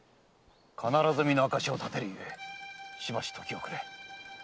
必ず身の証しを立てるゆえしばし時をくれ。